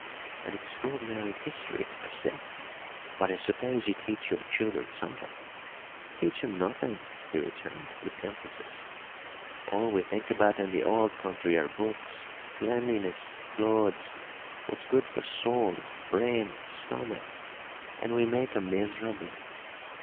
"An extraordinary history," I said, "but I suppose you teach your children something?" "Teach 'em nothing," he returned, with emphasis. "All we think about in the old country are books, cleanliness, clothes; what's good for soul, brain, stomach; and we make 'em miserable.